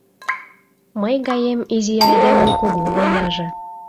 Мый гаем изи айдемын кугу войнаже...